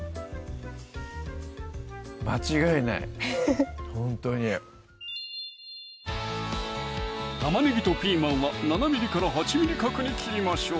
間違いないほんとに玉ねぎとピーマンは７８ミリ角に切りましょう！